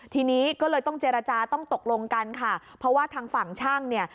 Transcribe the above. ทีนี้ก็เลยต้องเจรจาต้องตกลงกันค่ะเพราะว่าทางฝั่งช่างเนี่ย